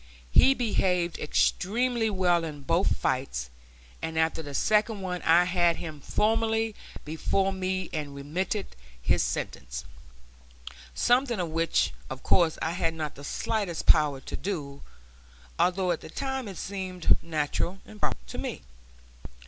He behaved extremely well in both fights, and after the second one I had him formally before me and remitted his sentence something which of course I had not the slightest power to do, although at the time it seemed natural and proper to me.